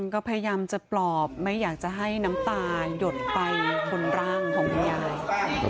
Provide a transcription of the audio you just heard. ก็พยายามจะปลอบไม่อยากจะให้น้ำตายดไปคนร่างของคุณยาย